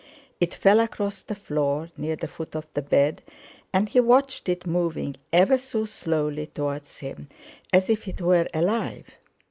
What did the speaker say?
It fell across the floor, near the foot of the bed, and he watched it moving ever so slowly towards him, as if it were alive.